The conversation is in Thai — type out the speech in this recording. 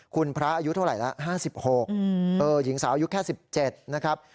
คุณพระอายุเท่าไหร่ละ๕๖หญิงสาวอายุแค่๑๗นะครับ